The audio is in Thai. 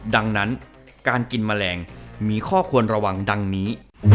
ดังนั้นการกินแมลงมีข้อควรระวังดังนี้